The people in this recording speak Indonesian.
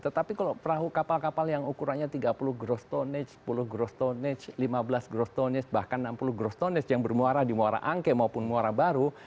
tetapi kalau perahu kapal kapal yang ukurannya tiga puluh gross tonnage sepuluh gross tonnage lima belas gross tonnage bahkan enam puluh gross tonnage yang bermuara di muara anke maupun muara baru